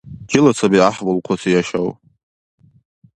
Чила саби гӀяхӀбулхъуси яшав?